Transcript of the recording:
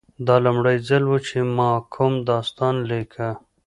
دا لومړی ځل و چې ما کوم داستان لیکه